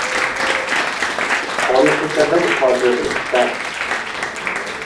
qon kechadi muhojirlikda.